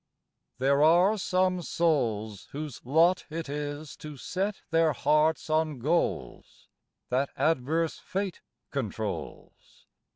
There are some souls Whose lot it is to set their hearts on goals That adverse Fate controls.